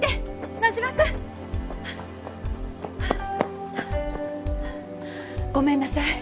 野島君はあはあごめんなさい